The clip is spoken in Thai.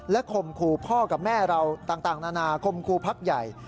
ข่มขู่พ่อกับแม่เราต่างนานาคมครูพักใหญ่